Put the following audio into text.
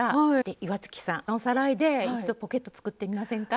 岩槻さんおさらいで一度ポケット作ってみませんか？